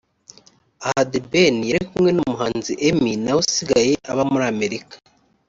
Aha The Ben yari kumwe n'umuhanzi Emmy nawe usigaye aba muri Amerika